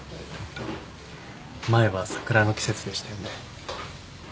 前は桜の季節でしたよね。